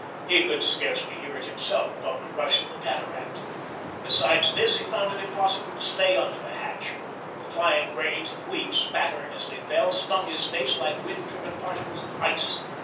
He could scarcely hear it himself above the rush of the cataract. Besides this, he found it impossible to stay under the hatch. The flying grains of wheat, spattering as they fell, stung his face like wind driven particles of ice.